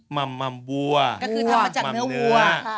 ม่ำม่ำวัวม่ำเนื้อ